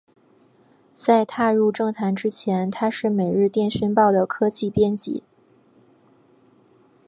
在踏入政坛之前他是每日电讯报的科技编辑。